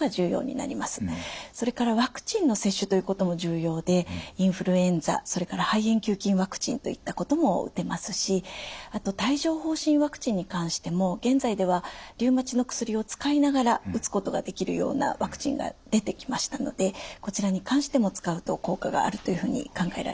それからワクチンの接種ということも重要でインフルエンザそれから肺炎球菌ワクチンといったことも打てますしあと帯状疱疹ワクチンに関しても現在ではリウマチの薬を使いながら打つことができるようなワクチンが出てきましたのでこちらに関しても使うと効果があるというふうに考えられています。